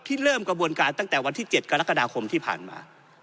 เริ่มกระบวนการตั้งแต่วันที่๗กรกฎาคมที่ผ่านมา